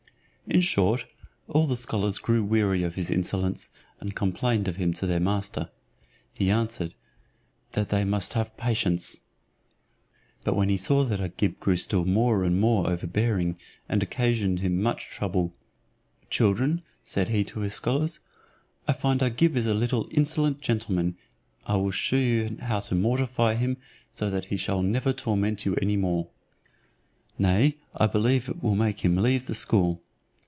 In short, all the scholars grew weary of his insolence, and complained of him to their master. He answered, "That they must have patience." But when he saw that Agib grew still more and more overbearing, and occasioned him much trouble, "Children," said he to his scholars, "I find Agib is a little insolent gentleman; I will shew you how to mortify him, so that he shall never torment you any more. Nay, I believe it will make him leave the school.